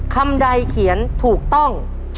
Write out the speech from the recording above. คำใดเขียนถูกต้อง